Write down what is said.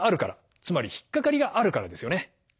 つまり引っ掛かりがあるからですよね。